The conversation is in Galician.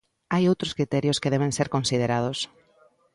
Hai outros criterios que deben ser considerados.